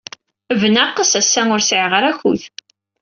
Bnaqes, ass-a ur sɛiɣ ara akud.